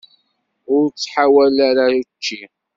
Ur ttḥawal ara učči.